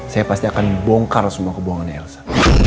saya pasti akan bongkar semua kebohongannya elsa